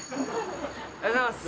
おはようございます。